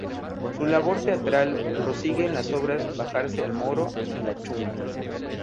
Su labor teatral prosigue en las obras "Bajarse al moro" y "La Chunga".